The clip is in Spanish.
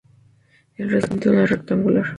El recinto era rectangular.